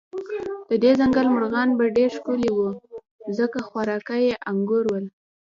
د دې ځنګل مرغان به ډېر ښکلي و، ځکه خوراکه یې انګور ول.